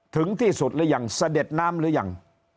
ถึงที่สุดหรือยังเสด็จน้ำหรือยัง